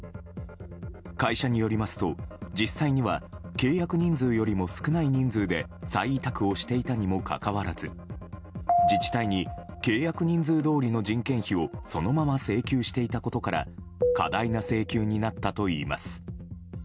会社によりますと、実際には契約人数よりも少ない人数で再委託をしていたにもかかわらず自治体に契約人数どおりの人件費をそのまま請求していたことから過大な請求になったといいます。